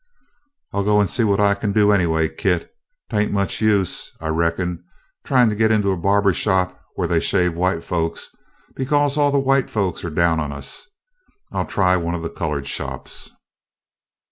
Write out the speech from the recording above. "I 'll go an' see what I kin do, anyway, Kit. 'T ain't much use, I reckon, trying to get into a bahbah shop where they shave white folks, because all the white folks are down on us. I 'll try one of the coloured shops."